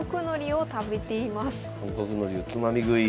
韓国のりをつまみ食い。